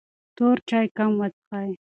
تور چای کم وڅښئ.